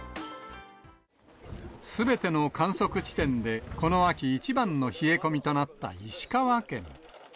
すべての観測地点で、この秋一番の冷え込みとなった石川県。